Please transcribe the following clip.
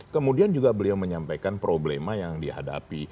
kemudian juga beliau menyampaikan problema yang dihadapi